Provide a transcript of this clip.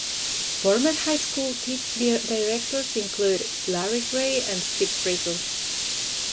Former high school directors include: Larry Gray and Skip Frizzell.